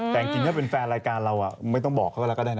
แต่จริงถ้าเป็นแฟนรายการเราไม่ต้องบอกเขาก็แล้วก็ได้นะ